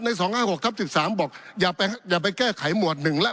ในสองห้าหกครับสิบสามบอกอย่าไปอย่าไปแก้ไขหมวดหนึ่งแล้ว